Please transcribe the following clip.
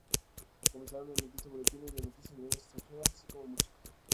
Comenzaron a emitirse boletines de noticias en lenguas extranjeras, así como música.